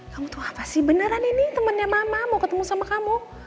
kamu tahu apa sih beneran ini temennya mama mau ketemu sama kamu